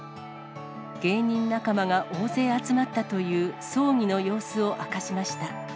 芸人仲間が大勢集まったという葬儀の様子を明かしました。